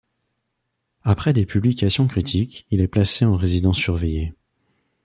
Après des publications critiques, il est placé en résidence surveillée.